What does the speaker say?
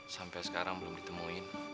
sampai sekarang belum ditemuin